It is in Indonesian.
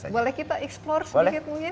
boleh kita eksplor sedikit mungkin